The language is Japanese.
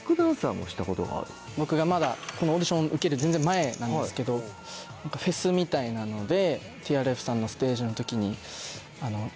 僕がまだこのオーディション受ける全然前なんですけどフェスみたいなのでＴＲＦさんのステージの時に。